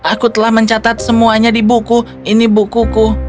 aku telah mencatat semuanya di buku ini bukuku